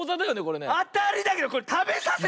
あたりだけどこれたべさせて！